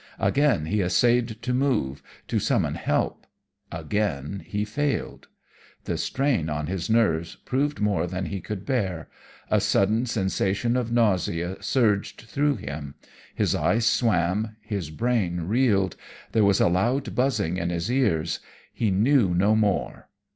Again he essayed to move, to summon help; again he failed. The strain on his nerves proved more than he could bear. A sudden sensation of nausea surged through him; his eyes swam; his brain reeled; there was a loud buzzing in his ears; he knew no more.